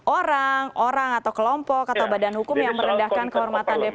orang orang atau kelompok atau badan hukum yang merendahkan kehormatan dpr